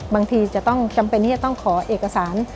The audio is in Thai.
บางทีจะต้องจำเป็นที่จะต้องขอเอกสาร